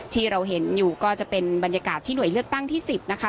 ที่เราเห็นอยู่ก็จะเป็นบรรยากาศที่หน่วยเลือกตั้งที่๑๐นะคะ